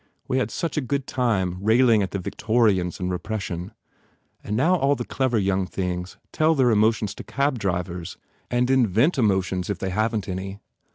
We had such a good time rail ing at the Victorians and repression. And now all the clever young things tell their emotions to cab drivers and invent emotions if they haven t any.